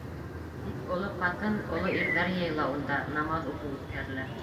Тик оло ҡатын, оло ирҙәр йыйыла унда, намаҙ уҡыу үткәрелә.